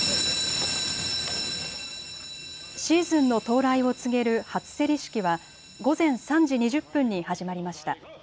シーズンの到来を告げる初競り式は午前３時２０分に始まりました。